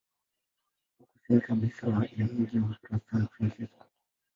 Iko kusini kabisa ya mji wa San Francisco.